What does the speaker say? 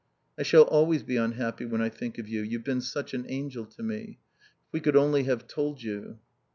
"I shall always be unhappy when I think of you. You've been such an angel to me. If we could only have told you."